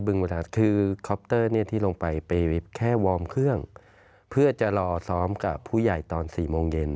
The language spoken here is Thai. เพื่อจะวอร์มเครื่องเพื่อจะรอซ้อมกับผู้ใหญ่ตอน๔โมงเย็น